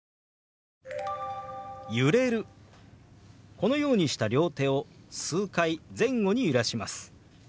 このようにした両手を数回前後に揺らします。